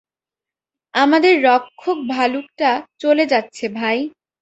আমাদের রক্ষক ভালুকটা চলে যাচ্ছে, ভাই।